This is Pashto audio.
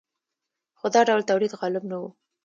خو دا ډول تولید غالب نه و.